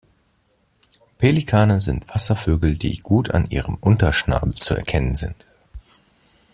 Pelikane sind Wasservögel, die gut an ihrem Unterschnabel zu erkennen sind.